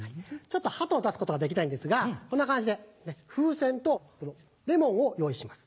ハトを出すことはできないんですがこんな感じで風船とこのレモンを用意します